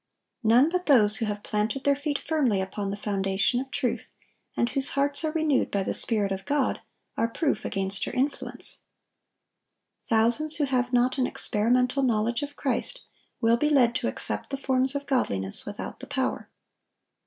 None but those who have planted their feet firmly upon the foundation of truth, and whose hearts are renewed by the Spirit of God, are proof against her influence. Thousands who have not an experimental knowledge of Christ will be led to accept the forms of godliness without the power.